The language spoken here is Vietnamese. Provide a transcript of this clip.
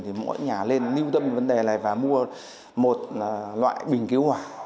thì mỗi nhà lên lưu tâm vấn đề này và mua một loại bình cứu hỏa